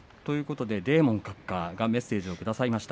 デーモン閣下がメッセージをくださいました。